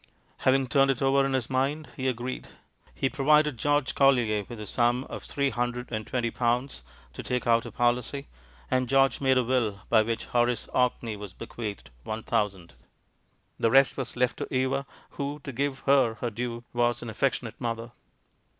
Having turned it over in his mind, he agreed. He provided George Collier with the sum of three hundred and twenty pounds to take out a policy, and George made a Will by which Hor ace Orkney was bequeathed one thousand. The rest was left to Eva, who, to give her her due, was an affectionate mother.